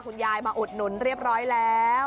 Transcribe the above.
ขายมาตั้งสี่สิบกว่าปีแล้ว